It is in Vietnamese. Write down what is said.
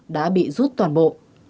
đã bị rút toàn bộ